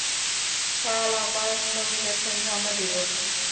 কাল আমার নমিনেশন জমা দিবো।